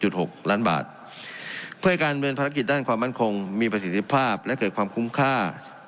จูดหล้างหลังบาทจะเพื่อการเบือนภารกิจด้านความมั่นคงมีภาษาพฤตภาพและเกิดความคุ้มค่า